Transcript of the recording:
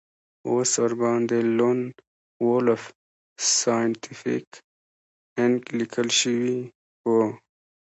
اوس ورباندې لون وولف سایینټیفیک انک لیکل شوي وو